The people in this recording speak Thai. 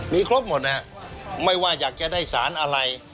มีครบหมดนะครับไม่ว่าอยากจะได้สารอะไร